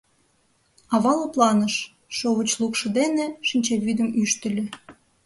Ава лыпланыш, шовыч лукшо дене шинчавӱдым ӱштыльӧ.